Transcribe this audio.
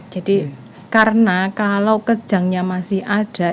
jadi karena kalau kejangnya masih ada